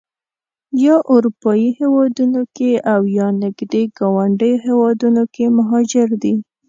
یا اروپایي هېوادونو کې او یا نږدې ګاونډیو هېوادونو کې مهاجر دي.